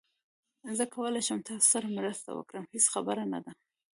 زه کولای شم تاسو سره مرسته وکړم، هیڅ خبره نه ده